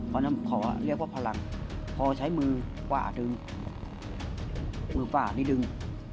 เพราะฉะนั้นขอเรียกว่าพลังพอใช้มือฝ่าดึงมือฝ่านิดนึง